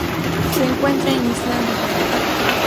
Se encuentra en Islandia.